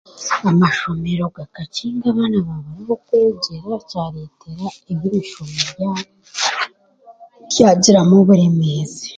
Amashomero gakakinga abaana baabura ahokwegyera kyaretera eby'emishomo byagiramu oburemeezi